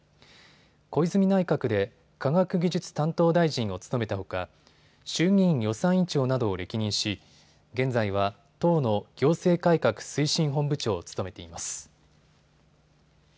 小泉内閣で科学技術担当大臣を務めたほか衆議院予算委員長などを歴任し、現在は党の行政改革推進本部長を務めています。